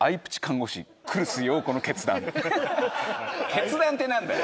決断って何だよ！